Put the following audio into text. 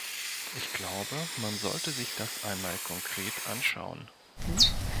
Ich glaube, man sollte sich das einmal konkret anschauen.